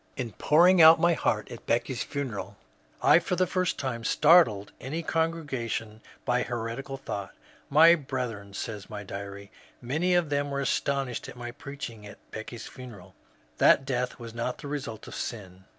In pouring out my heart at Becky's funeral I for the first time startled any con gregation by a heretical thought. My brethren,'^ so says my diary, ^* many of them, were astonished at my preaching at Becky's funeral that death was not the result of sin.